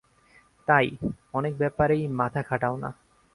তাই, অনেক ব্যাপারেই মাথা খাটাও না।